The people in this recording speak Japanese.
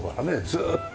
ずーっと。